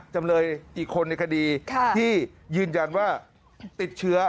จำเลยอีกคนในคดีที่ยืนยันว่าติดเชื้อ